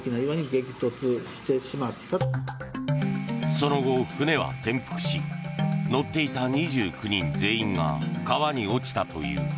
その後、船は転覆し乗っていた２９人全員が川に落ちたという。